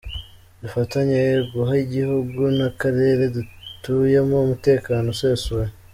Dufatanye guha igihugu n’akarere dutuyemo umutekano usesuye.